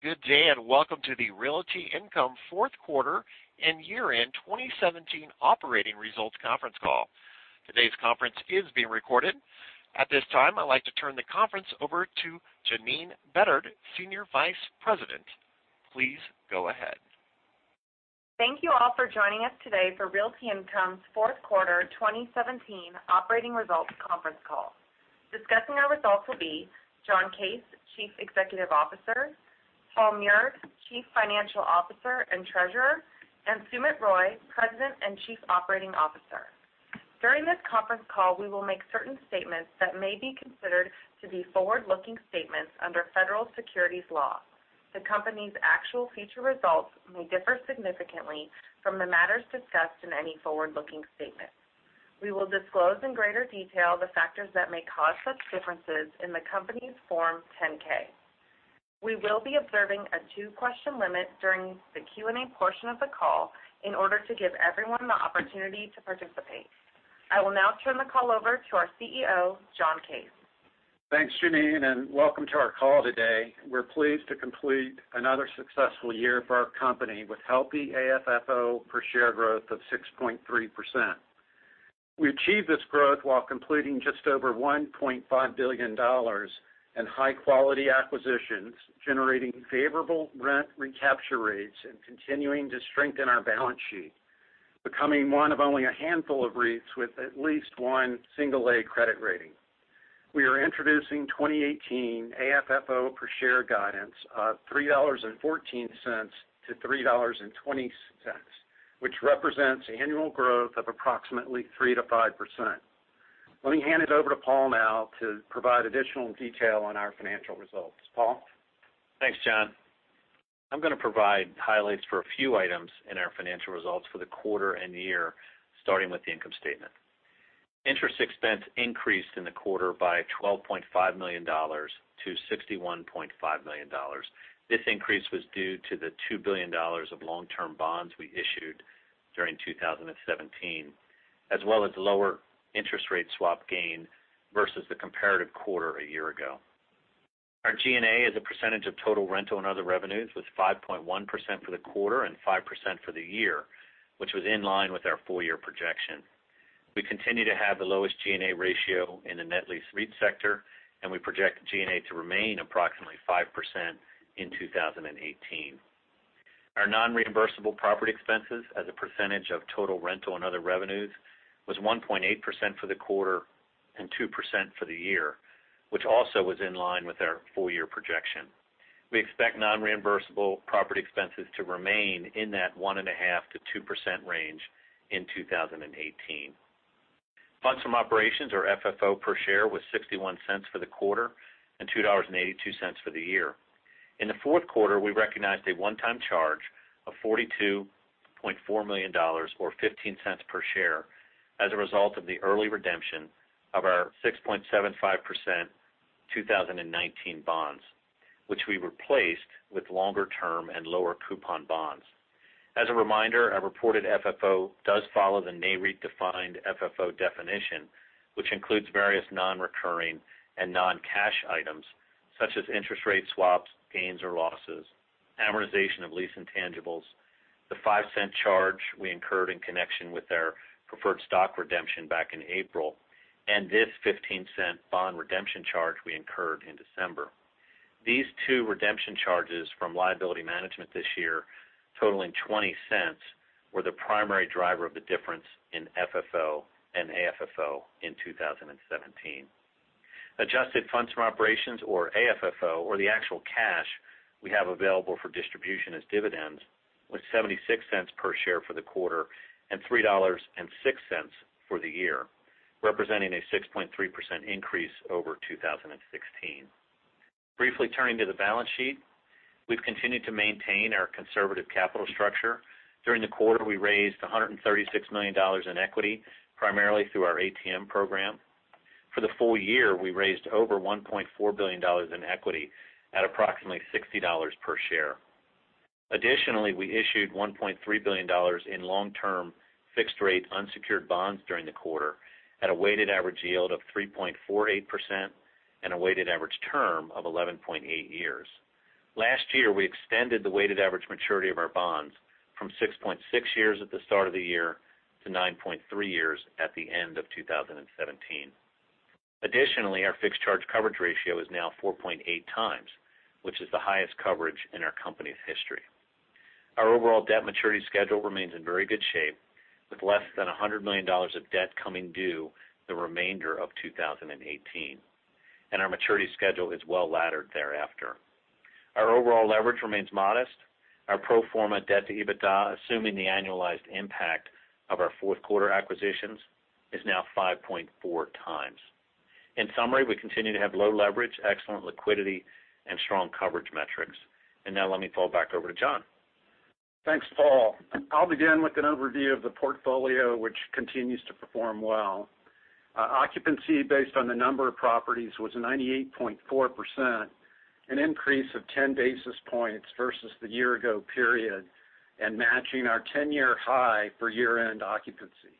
Good day, welcome to the Realty Income fourth quarter and year-end 2017 operating results conference call. Today's conference is being recorded. At this time, I'd like to turn the conference over to Janeen Bedard, Senior Vice President. Please go ahead. Thank you all for joining us today for Realty Income's fourth quarter 2017 operating results conference call. Discussing our results will be John Case, Chief Executive Officer, Paul Meurer, Chief Financial Officer and Treasurer, and Sumit Roy, President and Chief Operating Officer. During this conference call, we will make certain statements that may be considered to be forward-looking statements under federal securities law. The company's actual future results may differ significantly from the matters discussed in any forward-looking statement. We will disclose in greater detail the factors that may cause such differences in the company's Form 10-K. We will be observing a two-question limit during the Q&A portion of the call in order to give everyone the opportunity to participate. I will now turn the call over to our CEO, John Case. Thanks, Janeen, welcome to our call today. We're pleased to complete another successful year for our company, with healthy AFFO per share growth of 6.3%. We achieved this growth while completing just over $1.5 billion in high-quality acquisitions, generating favorable rent recapture rates and continuing to strengthen our balance sheet, becoming one of only a handful of REITs with at least one single A credit rating. We are introducing 2018 AFFO per share guidance of $3.14-$3.20, which represents annual growth of approximately 3%-5%. Let me hand it over to Paul now to provide additional detail on our financial results. Paul? Thanks, John. I'm going to provide highlights for a few items in our financial results for the quarter and the year, starting with the income statement. Interest expense increased in the quarter by $12.5 million to $61.5 million. This increase was due to the $2 billion of long-term bonds we issued during 2017, as well as lower interest rate swap gain versus the comparative quarter a year ago. Our G&A as a percentage of total rental and other revenues was 5.1% for the quarter and 5% for the year, which was in line with our full-year projection. We continue to have the lowest G&A ratio in the net lease REIT sector. We project G&A to remain approximately 5% in 2018. Our non-reimbursable property expenses as a percentage of total rental and other revenues was 1.8% for the quarter and 2% for the year, which also was in line with our full-year projection. We expect non-reimbursable property expenses to remain in that 1.5%-2% range in 2018. Funds from operations or FFO per share was $0.61 for the quarter and $2.82 for the year. In the fourth quarter, we recognized a one-time charge of $42.4 million or $0.15 per share as a result of the early redemption of our 6.75% 2019 bonds, which we replaced with longer-term and lower-coupon bonds. As a reminder, our reported FFO does follow the NAREIT-defined FFO definition, which includes various non-recurring and non-cash items such as interest rate swaps, gains or losses, amortization of lease intangibles, the $0.05 charge we incurred in connection with our preferred stock redemption back in April, and this $0.15 bond redemption charge we incurred in December. These two redemption charges from liability management this year, totaling $0.20, were the primary driver of the difference in FFO and AFFO in 2017. Adjusted funds from operations or AFFO, or the actual cash we have available for distribution as dividends, was $0.76 per share for the quarter and $3.06 for the year, representing a 6.3% increase over 2016. Briefly turning to the balance sheet, we've continued to maintain our conservative capital structure. During the quarter, we raised $136 million in equity, primarily through our ATM program. For the full year, we raised over $1.4 billion in equity at approximately $60 per share. We issued $1.3 billion in long-term fixed-rate unsecured bonds during the quarter at a weighted average yield of 3.48% and a weighted average term of 11.8 years. Last year, we extended the weighted average maturity of our bonds from 6.6 years at the start of the year to 9.3 years at the end of 2017. Our fixed charge coverage ratio is now 4.8 times, which is the highest coverage in our company's history. Our overall debt maturity schedule remains in very good shape, with less than $100 million of debt coming due the remainder of 2018, and our maturity schedule is well-laddered thereafter. Our overall leverage remains modest. Our pro forma debt to EBITDA, assuming the annualized impact of our fourth quarter acquisitions, is now 5.4 times. In summary, we continue to have low leverage, excellent liquidity, and strong coverage metrics. Now let me fold back over to John. Thanks, Paul. I'll begin with an overview of the portfolio, which continues to perform well. Our occupancy based on the number of properties was 98.4%, an increase of 10 basis points versus the year-ago period and matching our 10-year high for year-end occupancy.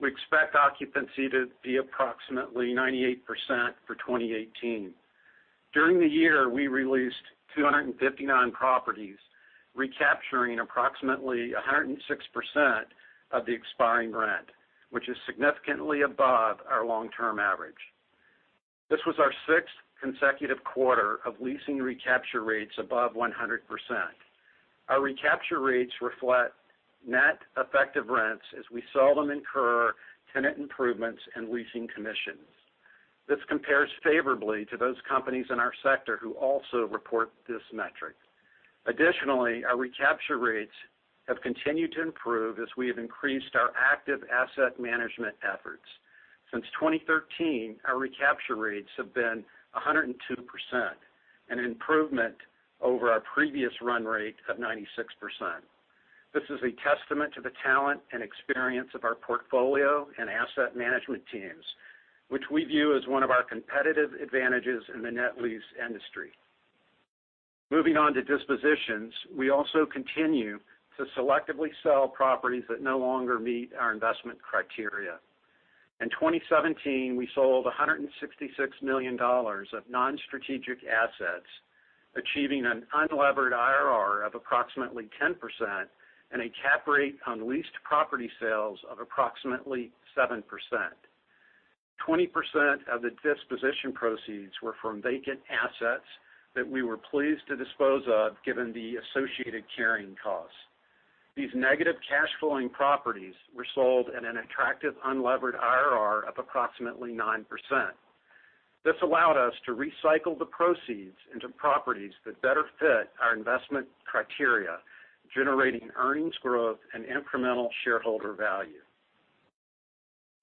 We expect occupancy to be approximately 98% for 2018. During the year, we released 259 properties, recapturing approximately 106% of the expiring rent, which is significantly above our long-term average. This was our sixth consecutive quarter of leasing recapture rates above 100%. Our recapture rates reflect net effective rents as we saw them incur tenant improvements and leasing commissions. This compares favorably to those companies in our sector who also report this metric. Additionally, our recapture rates have continued to improve as we have increased our active asset management efforts. Since 2013, our recapture rates have been 102%, an improvement over our previous run rate of 96%. This is a testament to the talent and experience of our portfolio and asset management teams, which we view as one of our competitive advantages in the net lease industry. Moving on to dispositions, we also continue to selectively sell properties that no longer meet our investment criteria. In 2017, we sold $166 million of non-strategic assets, achieving an unlevered IRR of approximately 10% and a cap rate on leased property sales of approximately 7%. 20% of the disposition proceeds were from vacant assets that we were pleased to dispose of, given the associated carrying costs. These negative cash flowing properties were sold at an attractive unlevered IRR of approximately 9%. This allowed us to recycle the proceeds into properties that better fit our investment criteria, generating earnings growth and incremental shareholder value.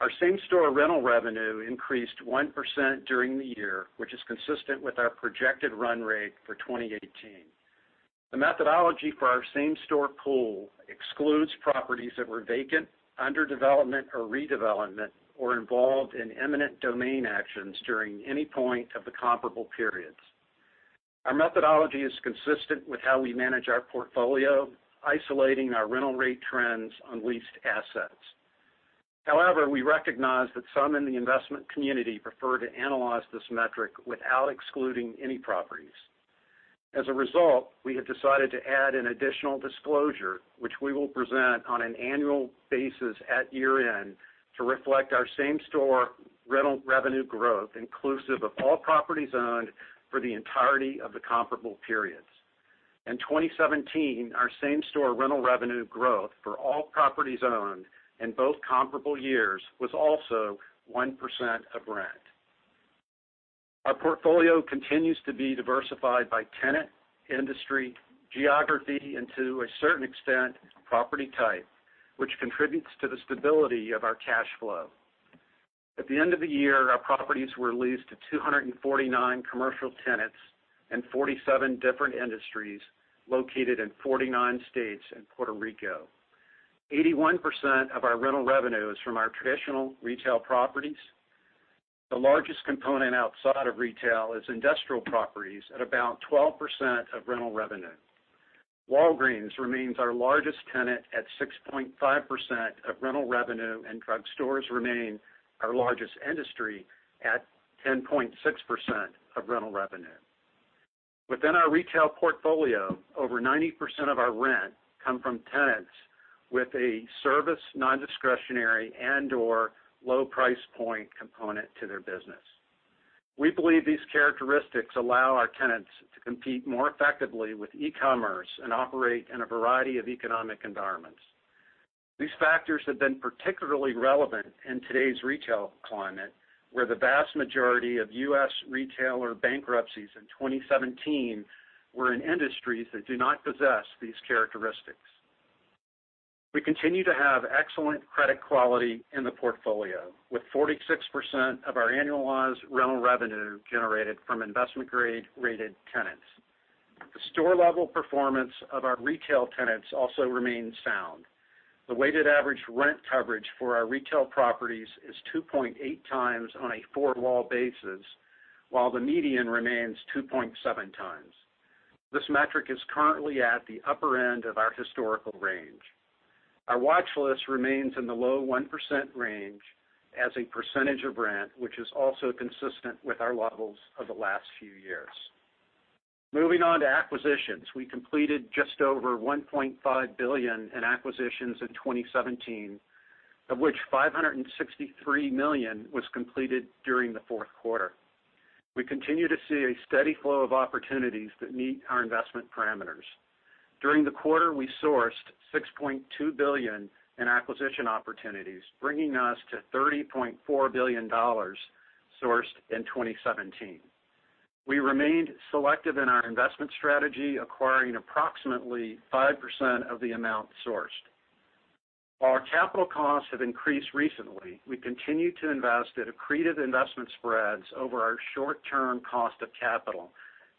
Our same-store rental revenue increased 1% during the year, which is consistent with our projected run rate for 2018. The methodology for our same-store pool excludes properties that were vacant, under development or redevelopment, or involved in eminent domain actions during any point of the comparable periods. Our methodology is consistent with how we manage our portfolio, isolating our rental rate trends on leased assets. However, we recognize that some in the investment community prefer to analyze this metric without excluding any properties. As a result, we have decided to add an additional disclosure, which we will present on an annual basis at year-end to reflect our same-store rental revenue growth, inclusive of all properties owned for the entirety of the comparable periods. In 2017, our same-store rental revenue growth for all properties owned in both comparable years was also 1% of rent. Our portfolio continues to be diversified by tenant, industry, geography, and to a certain extent, property type, which contributes to the stability of our cash flow. At the end of the year, our properties were leased to 249 commercial tenants and 47 different industries located in 49 states and Puerto Rico. 81% of our rental revenue is from our traditional retail properties. The largest component outside of retail is industrial properties at about 12% of rental revenue. Walgreens remains our largest tenant at 6.5% of rental revenue, and drugstores remain our largest industry at 10.6% of rental revenue. Within our retail portfolio, over 90% of our rent come from tenants with a service, non-discretionary, and/or low price point component to their business. We believe these characteristics allow our tenants to compete more effectively with e-commerce and operate in a variety of economic environments. These factors have been particularly relevant in today's retail climate, where the vast majority of U.S. retailer bankruptcies in 2017 were in industries that do not possess these characteristics. We continue to have excellent credit quality in the portfolio, with 46% of our annualized rental revenue generated from investment-grade-rated tenants. The store-level performance of our retail tenants also remains sound. The weighted average rent coverage for our retail properties is 2.8 times on a four-wall basis, while the median remains 2.7 times. This metric is currently at the upper end of our historical range. Our watch list remains in the low 1% range as a percentage of rent, which is also consistent with our levels of the last few years. Moving on to acquisitions. We completed just over $1.5 billion in acquisitions in 2017, of which $563 million was completed during the fourth quarter. We continue to see a steady flow of opportunities that meet our investment parameters. During the quarter, we sourced $6.2 billion in acquisition opportunities, bringing us to $30.4 billion sourced in 2017. We remained selective in our investment strategy, acquiring approximately 5% of the amount sourced. While our capital costs have increased recently, we continue to invest at accretive investment spreads over our short-term cost of capital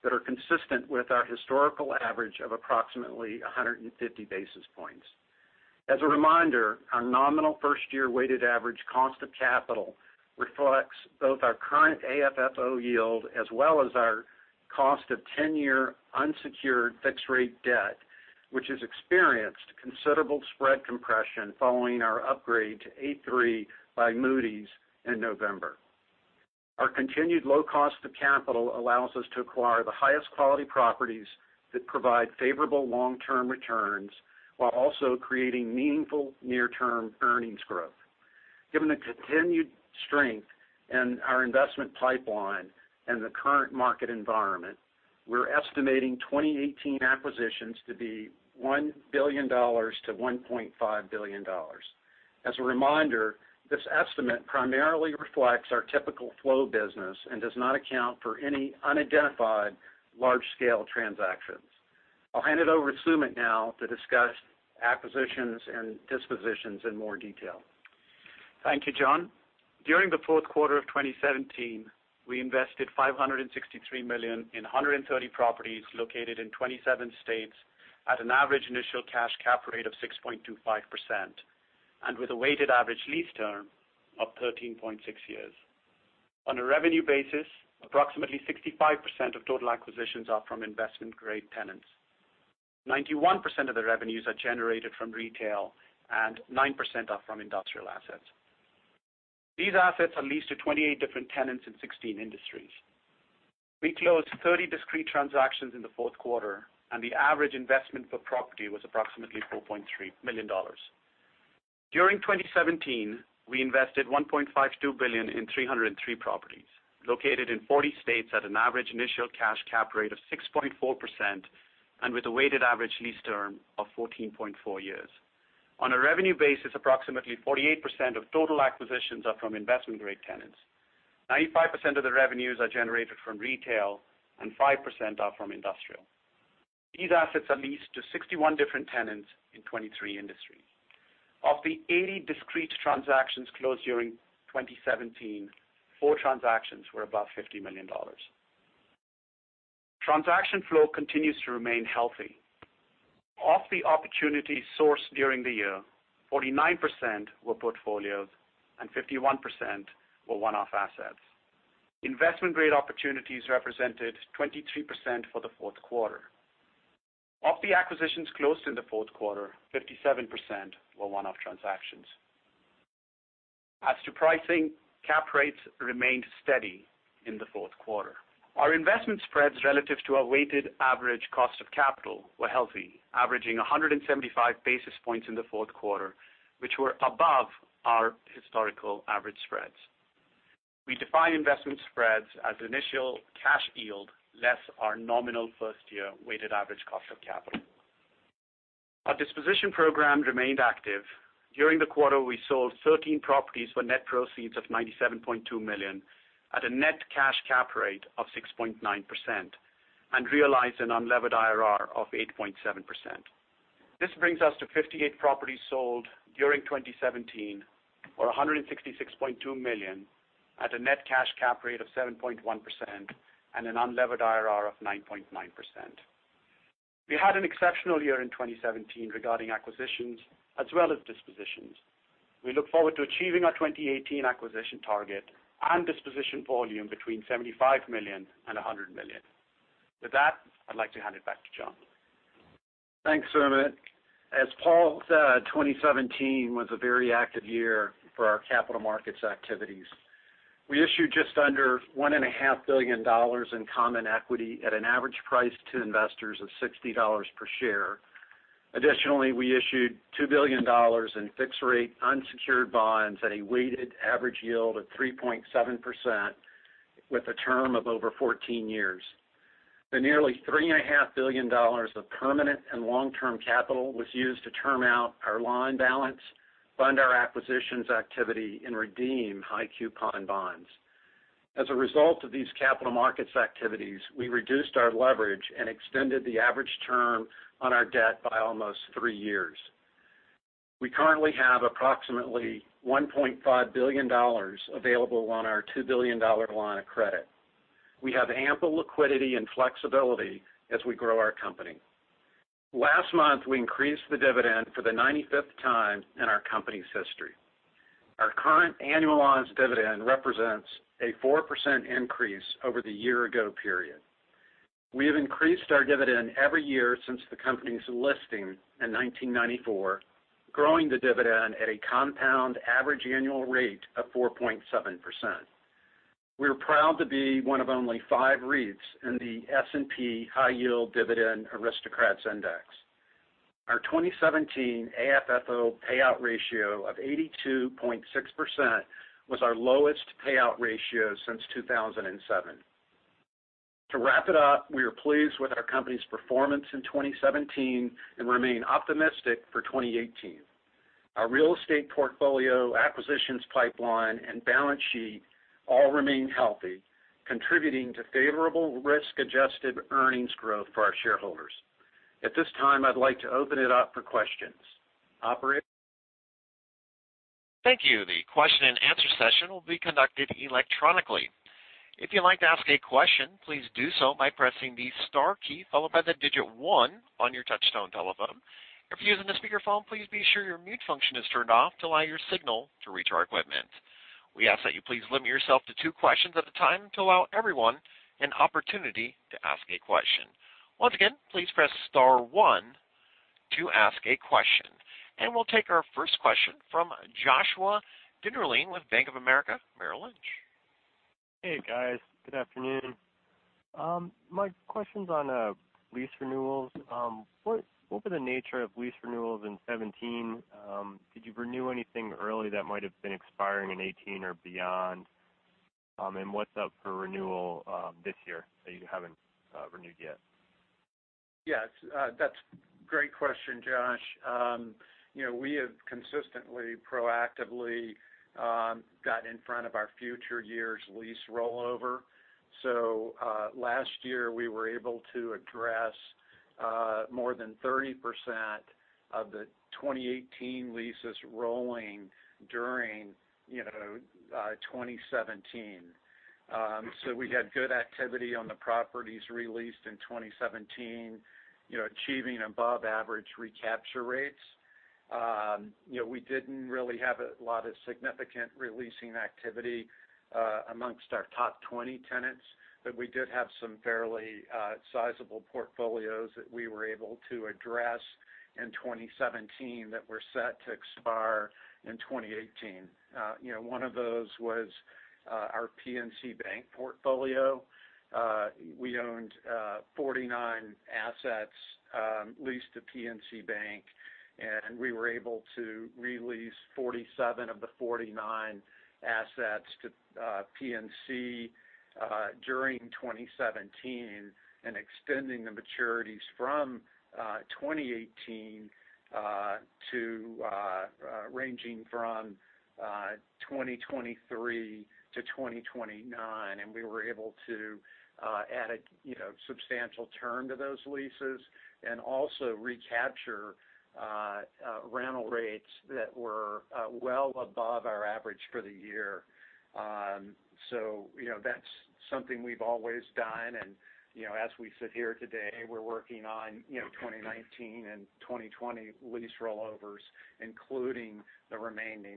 that are consistent with our historical average of approximately 150 basis points. As a reminder, our nominal first-year weighted average cost of capital reflects both our current AFFO yield as well as our Cost of 10-year unsecured fixed-rate debt, which has experienced considerable spread compression following our upgrade to A3 by Moody's in November. Our continued low cost of capital allows us to acquire the highest quality properties that provide favorable long-term returns, while also creating meaningful near-term earnings growth. Given the continued strength in our investment pipeline and the current market environment, we're estimating 2018 acquisitions to be $1 billion-$1.5 billion. As a reminder, this estimate primarily reflects our typical flow business and does not account for any unidentified large-scale transactions. I'll hand it over to Sumit now to discuss acquisitions and dispositions in more detail. Thank you, John. During the fourth quarter of 2017, we invested $563 million in 130 properties located in 27 states at an average initial cash cap rate of 6.25%, and with a weighted average lease term of 13.6 years. On a revenue basis, approximately 65% of total acquisitions are from investment-grade tenants. 91% of the revenues are generated from retail, and 9% are from industrial assets. These assets are leased to 28 different tenants in 16 industries. We closed 30 discrete transactions in the fourth quarter, and the average investment per property was approximately $4.3 million. During 2017, we invested $1.52 billion in 303 properties located in 40 states at an average initial cash cap rate of 6.4%, and with a weighted average lease term of 14.4 years. On a revenue basis, approximately 48% of total acquisitions are from investment-grade tenants. 95% of the revenues are generated from retail, and 5% are from industrial. These assets are leased to 61 different tenants in 23 industries. Of the 80 discrete transactions closed during 2017, four transactions were above $50 million. Transaction flow continues to remain healthy. Of the opportunities sourced during the year, 49% were portfolios and 51% were one-off assets. Investment-grade opportunities represented 23% for the fourth quarter. Of the acquisitions closed in the fourth quarter, 57% were one-off transactions. As to pricing, cap rates remained steady in the fourth quarter. Our investment spreads relative to our weighted average cost of capital were healthy, averaging 175 basis points in the fourth quarter, which were above our historical average spreads. We define investment spreads as initial cash yield less our nominal first-year weighted average cost of capital. Our disposition program remained active. During the quarter, we sold 13 properties for net proceeds of $97.2 million at a net cash cap rate of 6.9% and realized an unlevered IRR of 8.7%. This brings us to 58 properties sold during 2017, or $166.2 million at a net cash cap rate of 7.1% and an unlevered IRR of 9.9%. We had an exceptional year in 2017 regarding acquisitions as well as dispositions. We look forward to achieving our 2018 acquisition target and disposition volume between $75 million and $100 million. With that, I'd like to hand it back to John. Thanks, Sumit. As Paul said, 2017 was a very active year for our capital markets activities. We issued just under $1.5 billion in common equity at an average price to investors of $60 per share. Additionally, we issued $2 billion in fixed-rate unsecured bonds at a weighted average yield of 3.7% with a term of over 14 years. The nearly $3.5 billion of permanent and long-term capital was used to term out our loan balance, fund our acquisitions activity, and redeem high-coupon bonds. As a result of these capital markets activities, we reduced our leverage and extended the average term on our debt by almost three years. We currently have approximately $1.5 billion available on our $2 billion line of credit. We have ample liquidity and flexibility as we grow our company. Last month, we increased the dividend for the 95th time in our company's history. Our current annualized dividend represents a 4% increase over the year-ago period. We have increased our dividend every year since the company's listing in 1994, growing the dividend at a compound average annual rate of 4.7%. We are proud to be one of only five REITs in the S&P High Yield Dividend Aristocrats Index. Our 2017 AFFO payout ratio of 82.6% was our lowest payout ratio since 2007. To wrap it up, we are pleased with our company's performance in 2017 and remain optimistic for 2018. Our real estate portfolio, acquisitions pipeline, and balance sheet all remain healthy, contributing to favorable risk-adjusted earnings growth for our shareholders. At this time, I'd like to open it up for questions. Operator? Thank you. The question and answer session will be conducted electronically. If you'd like to ask a question, please do so by pressing the star key followed by the digit 1 on your touch-tone telephone. If you're using a speakerphone, please be sure your mute function is turned off to allow your signal to reach our equipment. We ask that you please limit yourself to 2 questions at a time to allow everyone an opportunity to ask a question. Once again, please press star 1 to ask a question. We'll take our first question from Joshua Dennerlein with Bank of America Merrill Lynch. Hey, guys. Good afternoon. My question's on lease renewals. What were the nature of lease renewals in 2017? Did you renew anything early that might have been expiring in 2018 or beyond? What's up for renewal this year that you haven't renewed yet? Yes, that's great question, Josh. We have consistently, proactively got in front of our future years' lease rollover. Last year, we were able to address more than 30% of the 2018 leases rolling during 2017. We had good activity on the properties re-leased in 2017, achieving above-average recapture rates. We didn't really have a lot of significant re-leasing activity amongst our top 20 tenants, but we did have some fairly sizable portfolios that we were able to address in 2017 that were set to expire in 2018. One of those was our PNC Bank portfolio. We owned 49 assets leased to PNC Bank, we were able to re-lease 47 of the 49 assets to PNC during 2017, extending the maturities from 2018 to ranging from 2023 to 2029. We were able to add a substantial term to those leases, also recapture rental rates that were well above our average for the year. That's something we've always done and, as we sit here today, we're working on 2019 and 2020 lease rollovers, including the remaining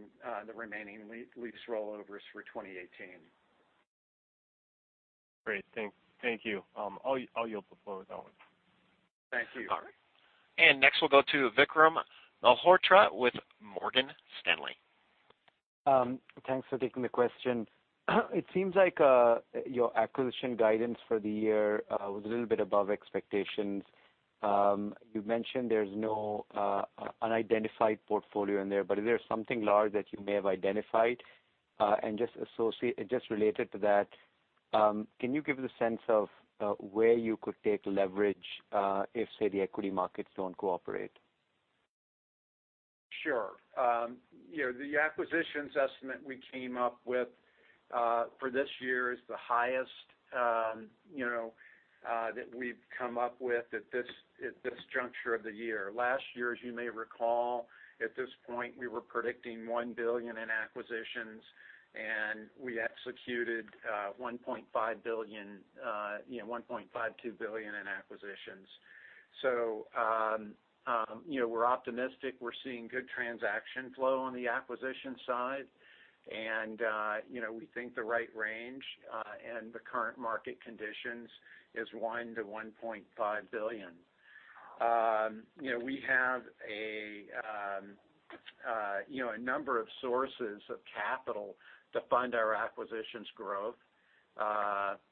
lease rollovers for 2018. Great. Thank you. I'll yield the floor, uncertain. Thank you. All right. Next we'll go to Vikram Malhotra with Morgan Stanley. Thanks for taking the question. It seems like your acquisition guidance for the year was a little bit above expectations. You mentioned there's no unidentified portfolio in there, but is there something large that you may have identified? Just related to that, can you give the sense of where you could take leverage, if, say, the equity markets don't cooperate? Sure. The acquisitions estimate we came up with for this year is the highest that we've come up with at this juncture of the year. Last year, as you may recall, at this point, we were predicting $1 billion in acquisitions, and we executed $1.52 billion in acquisitions. We're optimistic. We're seeing good transaction flow on the acquisition side, and we think the right range, and the current market conditions, is $1 billion-$1.5 billion. We have a number of sources of capital to fund our acquisitions growth,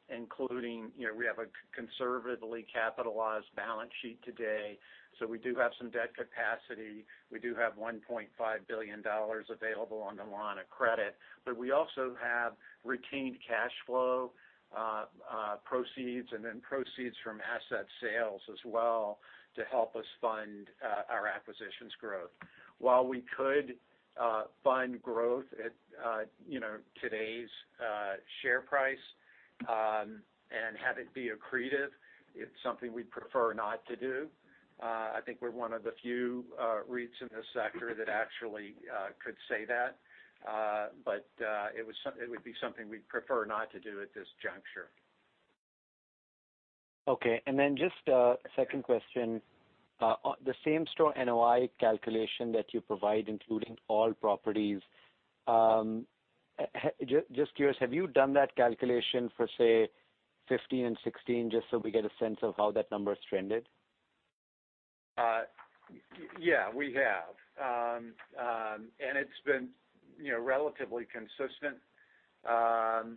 including, we have a conservatively capitalized balance sheet today, so we do have some debt capacity. We do have $1.5 billion available on the line of credit. We also have retained cash flow proceeds, and then proceeds from asset sales as well, to help us fund our acquisitions growth. While we could fund growth at today's share price, and have it be accretive, it's something we'd prefer not to do. I think we're one of the few REITs in this sector that actually could say that, but it would be something we'd prefer not to do at this juncture. Just a second question. The same-store NOI calculation that you provide, including all properties, just curious, have you done that calculation for, say, 2015 and 2016, just so we get a sense of how that number's trended? We have. It's been relatively consistent. Let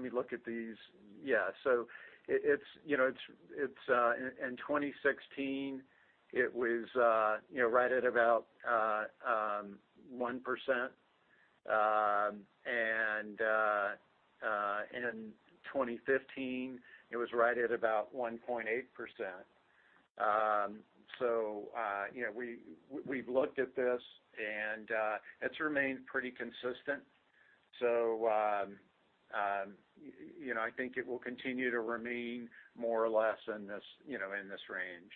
me look at these. In 2016, it was right at about 1%, and in 2015, it was right at about 1.8%. We've looked at this, and it's remained pretty consistent. I think it will continue to remain more or less in this range.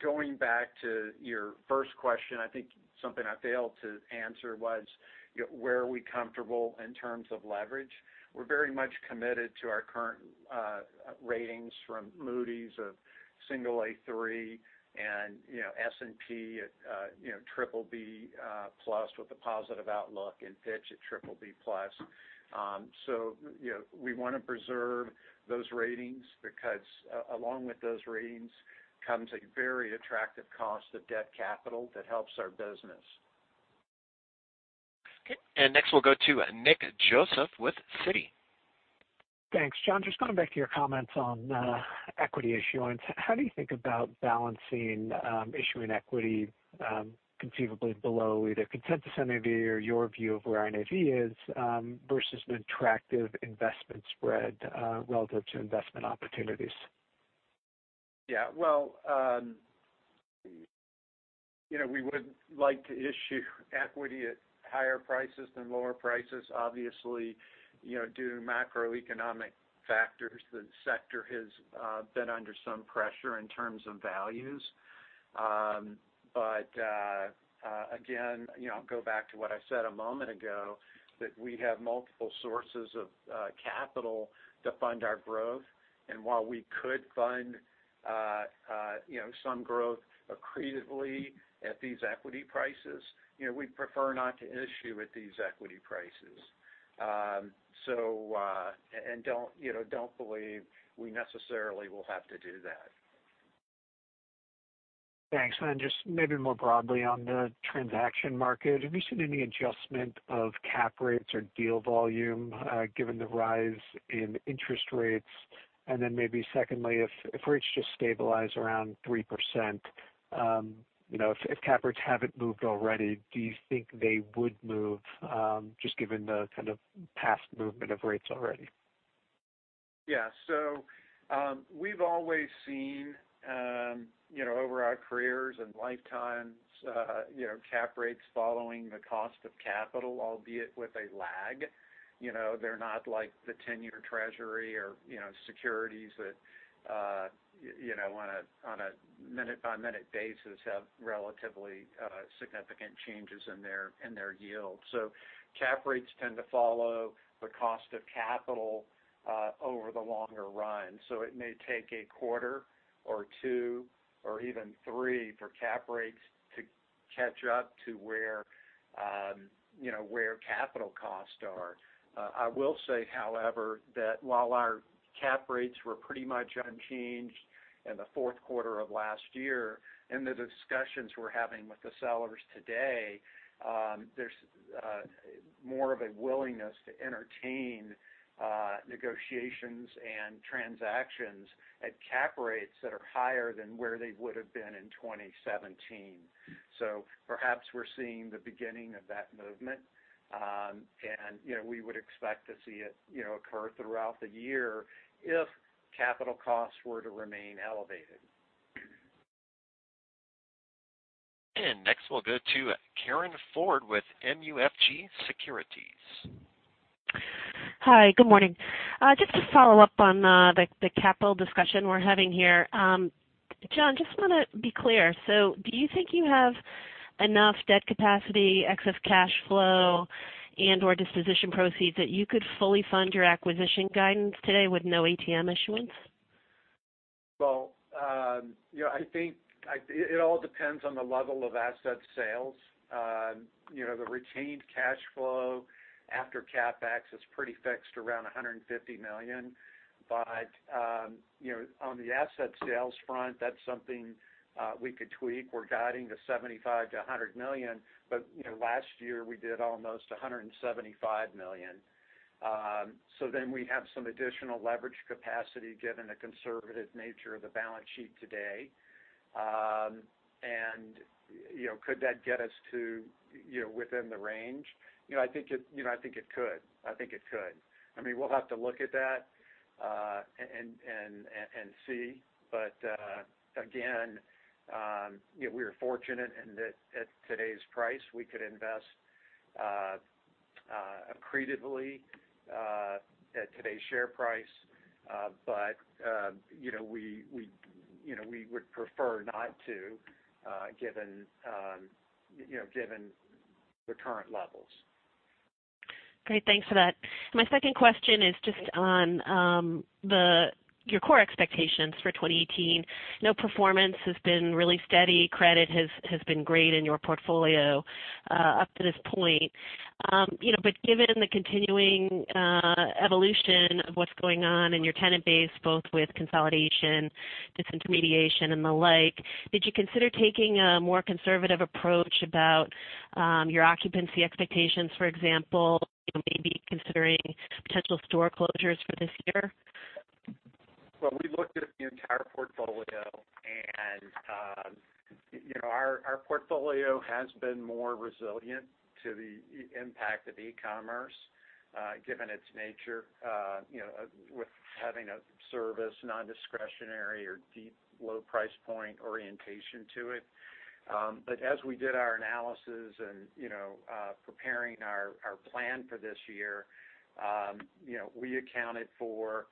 Going back to your first question, something I failed to answer was where are we comfortable in terms of leverage. We're very much committed to our current ratings from Moody's of A3 and S&P at BBB+ with a positive outlook and Fitch at BBB+. We want to preserve those ratings because along with those ratings comes a very attractive cost of debt capital that helps our business. Okay. Next we'll go to Nick Joseph with Citi. Thanks. John, just going back to your comments on equity issuance, how do you think about balancing issuing equity conceivably below either consensus NAV or your view of where our NAV is, versus an attractive investment spread relative to investment opportunities? Well, we would like to issue equity at higher prices than lower prices. Obviously, due to macroeconomic factors, the sector has been under some pressure in terms of values. Again, I'll go back to what I said a moment ago, that we have multiple sources of capital to fund our growth. While we could fund some growth accretively at these equity prices, we'd prefer not to issue at these equity prices. Don't believe we necessarily will have to do that. Thanks. Then just maybe more broadly on the transaction market, have you seen any adjustment of cap rates or deal volume given the rise in interest rates? Then maybe secondly, if rates just stabilize around 3%, if cap rates haven't moved already, do you think they would move, just given the kind of past movement of rates already? We've always seen, over our careers and lifetimes, cap rates following the cost of capital, albeit with a lag. They're not like the 10-year Treasury or securities that on a minute-by-minute basis have relatively significant changes in their yield. Cap rates tend to follow the cost of capital over the longer run. It may take a quarter or two, or even three for cap rates to catch up to where capital costs are. I will say, however, that while our cap rates were pretty much unchanged in the fourth quarter of last year, in the discussions we're having with the sellers today, there's more of a willingness to entertain negotiations and transactions at cap rates that are higher than where they would've been in 2017. Perhaps we're seeing the beginning of that movement. We would expect to see it occur throughout the year if capital costs were to remain elevated. Next, we'll go to Karin Ford with MUFG Securities. Hi. Good morning. Just to follow up on the capital discussion we're having here. John, just want to be clear. Do you think you have enough debt capacity, excess cash flow, and/or disposition proceeds that you could fully fund your acquisition guidance today with no ATM issuance? I think it all depends on the level of asset sales. The retained cash flow after CapEx is pretty fixed around $150 million. On the asset sales front, that's something we could tweak. We're guiding to $75 million-$100 million. Last year, we did almost $175 million. We have some additional leverage capacity given the conservative nature of the balance sheet today. Could that get us to within the range? I think it could. I think it could. We'll have to look at that and see. Again, we are fortunate in that at today's price, we could invest accretively at today's share price. We would prefer not to given the current levels. Great. Thanks for that. My second question is just on your core expectations for 2018. Performance has been really steady. Credit has been great in your portfolio up to this point. Given the continuing evolution of what's going on in your tenant base, both with consolidation, disintermediation, and the like, did you consider taking a more conservative approach about your occupancy expectations? For example, maybe considering potential store closures for this year? We looked at the entire portfolio, and our portfolio has been more resilient to the impact of e-commerce given its nature with having a service, non-discretionary, or deep low price point orientation to it. As we did our analysis and preparing our plan for this year, we accounted for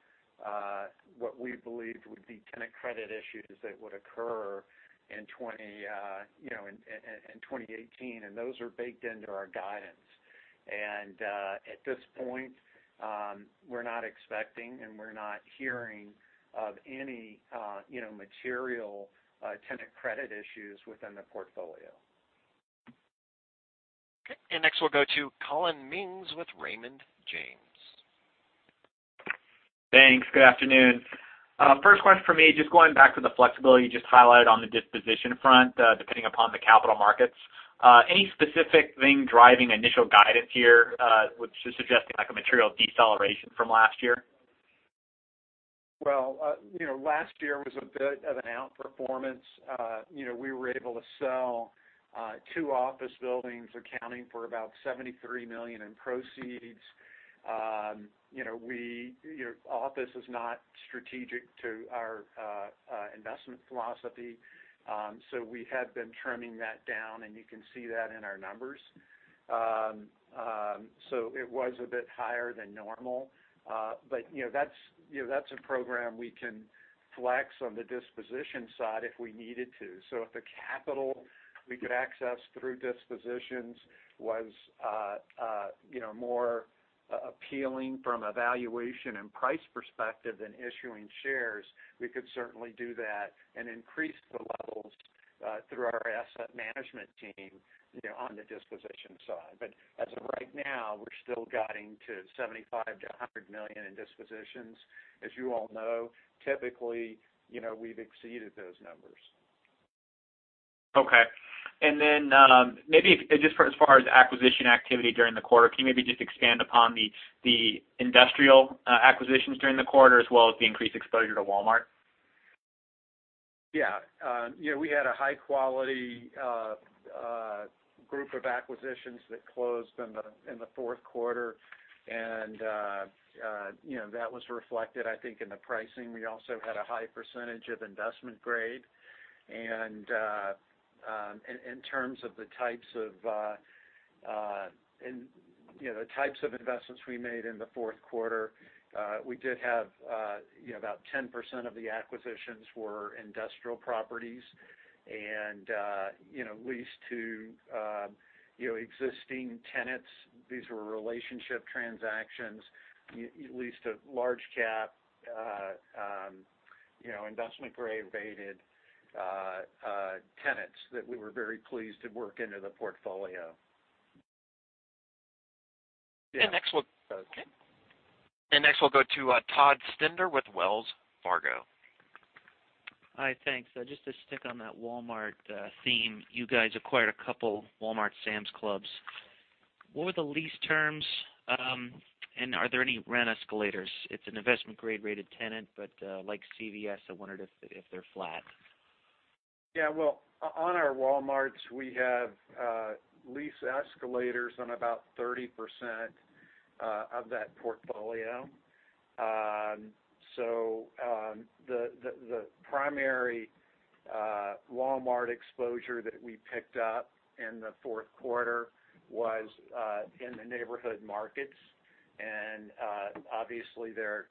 what we believed would be tenant credit issues that would occur in 2018, and those are baked into our guidance. At this point, we're not expecting and we're not hearing of any material tenant credit issues within the portfolio. Okay. Next we'll go to Collin Mings with Raymond James. Thanks. Good afternoon. First question from me, just going back to the flexibility you just highlighted on the disposition front, depending upon the capital markets. Any specific thing driving initial guidance here, which is suggesting, like, a material deceleration from last year? Well, last year was a bit of an outperformance. We were able to sell two office buildings accounting for about $73 million in proceeds. Office is not strategic to our investment philosophy, so we have been trimming that down and you can see that in our numbers. It was a bit higher than normal. That's a program we can flex on the disposition side if we needed to. If the capital we could access through dispositions was more appealing from a valuation and price perspective than issuing shares, we could certainly do that and increase the levels through our asset management team on the disposition side. As of right now, we're still guiding to $75 million-$100 million in dispositions. As you all know, typically, we've exceeded those numbers. Okay. Maybe just for as far as acquisition activity during the quarter, can you maybe just expand upon the industrial acquisitions during the quarter as well as the increased exposure to Walmart? Yeah. We had a high-quality group of acquisitions that closed in the fourth quarter, and that was reflected, I think, in the pricing. We also had a high percentage of investment grade. In terms of the types of investments we made in the fourth quarter, we did have about 10% of the acquisitions were industrial properties and leased to existing tenants. These were relationship transactions, leased to large-cap, investment-grade rated tenants that we were very pleased to work into the portfolio. next, Okay. next, we'll go to Todd Stender with Wells Fargo. Hi. Thanks. Just to stick on that Walmart theme, you guys acquired a couple Walmart Sam's Club. What were the lease terms? Are there any rent escalators? It's an investment-grade rated tenant, but like CVS, I wondered if they're flat. Yeah. Well, on our Walmarts, we have lease escalators on about 30% of that portfolio. The primary Walmart exposure that we picked up in the fourth quarter was in the Neighborhood Markets. Obviously there,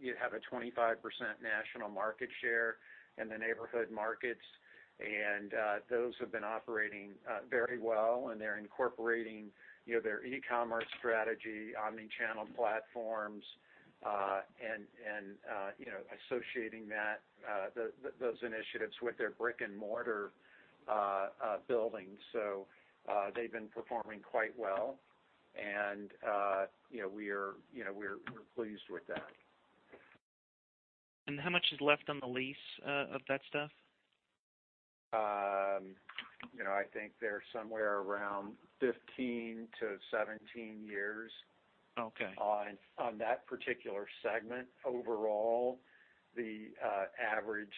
you have a 25% national market share in the Neighborhood Markets, and those have been operating very well, and they're incorporating their e-commerce strategy, omni-channel platforms, and associating those initiatives with their brick and mortar buildings. They've been performing quite well, and we're pleased with that. How much is left on the lease of that stuff? I think they're somewhere around 15-17 years. Okay On that particular segment. Overall, the average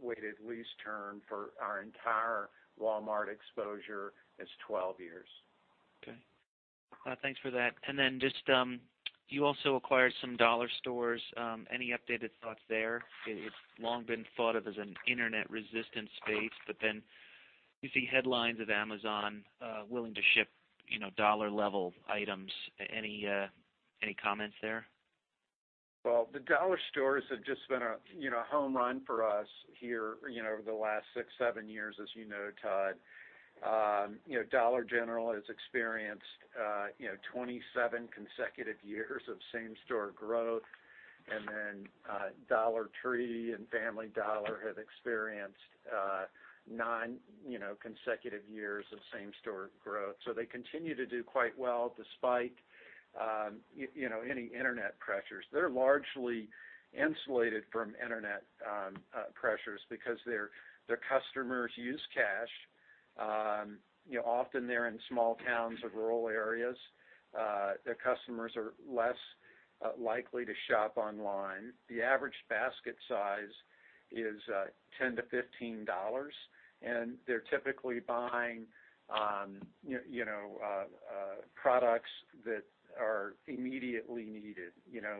weighted lease term for our entire Walmart exposure is 12 years. Okay. Thanks for that. Just, you also acquired some dollar stores. Any updated thoughts there? It's long been thought of as an internet-resistant space, but then you see headlines of Amazon willing to ship dollar-level items. Any comments there? The dollar stores have just been a home run for us here over the last six, seven years, as you know, Todd. Dollar General has experienced 27 consecutive years of same-store growth, Dollar Tree and Family Dollar have experienced nine consecutive years of same-store growth. They continue to do quite well despite any internet pressures. They're largely insulated from internet pressures because their customers use cash. Often they're in small towns or rural areas. Their customers are less likely to shop online. The average basket size is $10-$15, and they're typically buying products that are immediately needed.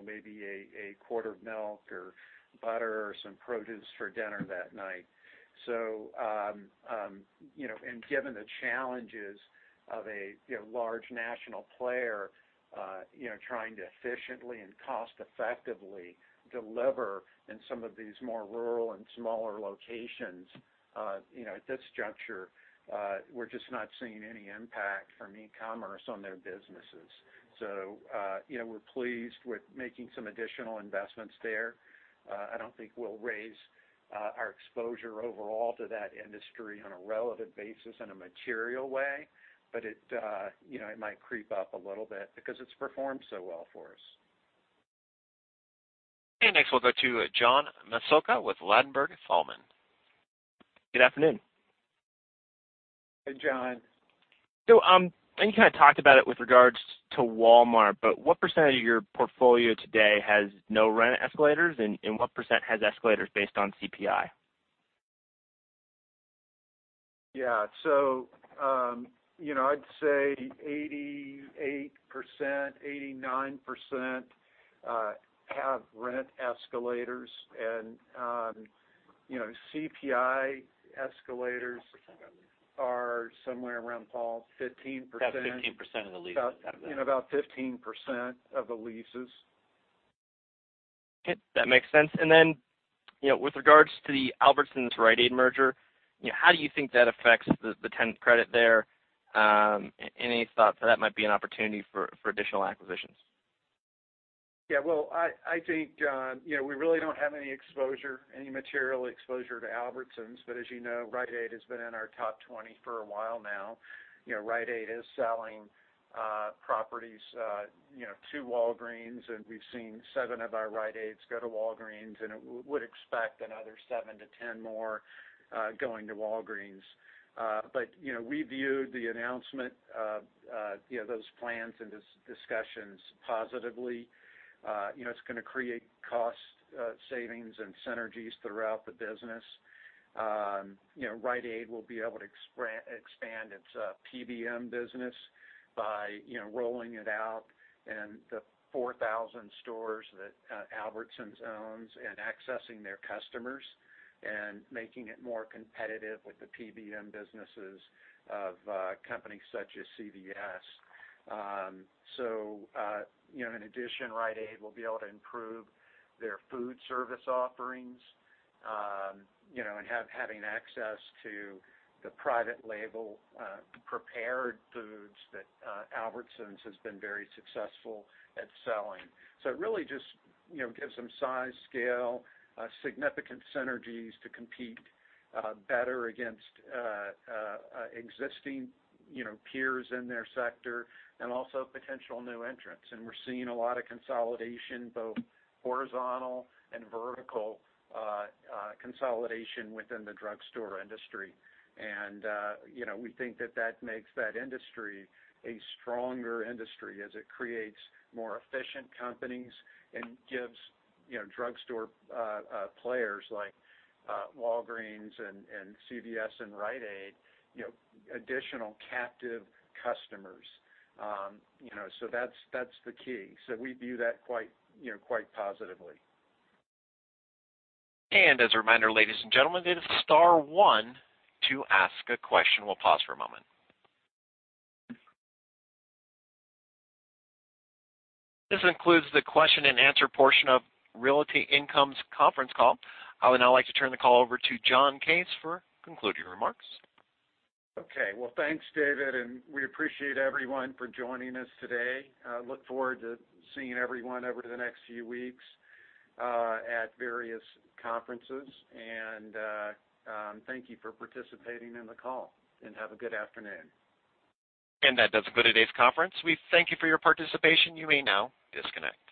Maybe a quart of milk or butter or some produce for dinner that night, given the challenges of a large national player trying to efficiently and cost-effectively deliver in some of these more rural and smaller locations. At this juncture, we're just not seeing any impact from e-commerce on their businesses. We're pleased with making some additional investments there. I don't think we'll raise our exposure overall to that industry on a relative basis in a material way, but it might creep up a little bit because it's performed so well for us. Next, we'll go to John Massocca with Ladenburg Thalmann. Good afternoon. Hey, John. You kind of talked about it with regards to Walmart, but what % of your portfolio today has no rent escalators, and what % has escalators based on CPI? Yeah. I'd say 88%, 89% have rent escalators and CPI escalators are somewhere around, Paul, 15%. About 15% of the leases have it. About 15% of the leases. Okay. That makes sense. With regards to the Albertsons-Rite Aid merger, how do you think that affects the tenant credit there? Any thoughts that might be an opportunity for additional acquisitions? Well, I think, we really don't have any material exposure to Albertsons. As you know, Rite Aid has been in our top 20 for a while now. Rite Aid is selling properties to Walgreens, and we've seen seven of our Rite Aids go to Walgreens, and would expect another seven to 10 more going to Walgreens. We view the announcement of those plans and discussions positively. It's going to create cost savings and synergies throughout the business. Rite Aid will be able to expand its PBM business by rolling it out in the 4,000 stores that Albertsons owns and accessing their customers and making it more competitive with the PBM businesses of companies such as CVS. In addition, Rite Aid will be able to improve their food service offerings, and having access to the private label prepared foods that Albertsons has been very successful at selling. It really just gives them size, scale, significant synergies to compete better against existing peers in their sector and also potential new entrants. We're seeing a lot of consolidation, both horizontal and vertical consolidation within the drugstore industry. We think that that makes that industry a stronger industry as it creates more efficient companies and gives drugstore players like Walgreens and CVS and Rite Aid additional captive customers. That's the key. We view that quite positively. As a reminder, ladies and gentlemen, it is star one to ask a question. We'll pause for a moment. This concludes the question and answer portion of Realty Income's conference call. I would now like to turn the call over to John Case for concluding remarks. Okay. Well, thanks, David, we appreciate everyone for joining us today. Look forward to seeing everyone over the next few weeks at various conferences. Thank you for participating in the call, and have a good afternoon. That does it for today's conference. We thank you for your participation. You may now disconnect.